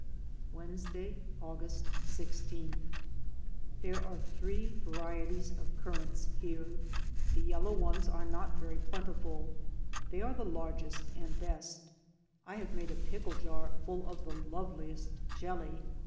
Wednesday, August i6. There are three varieties of currants here. The yellow ones are not very plentiful. They are the largest and best. I have made a pickle jar full of the loveliest jelly.